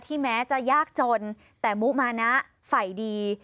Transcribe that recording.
แม้จะยากจนแต่มุมานะฝ่ายดี